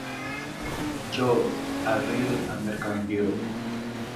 Joe: A Real American Hero.